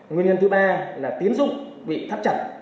nguyên nhân thứ ba là tiến dụng bị thắp chặt